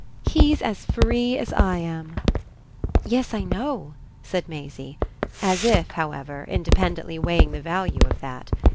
"He's as free as I am!" "Yes, I know," said Maisie; as if, however, independently weighing the value of that.